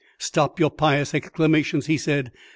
"Stop your pious exclamations," he said.